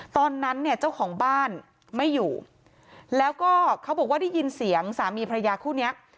ตอนนั้นเนี่ยเจ้าของบ้านไม่อยู่แล้วก็เขาบอกว่าได้ยินเสียงสามีพระยาคู่เนี้ย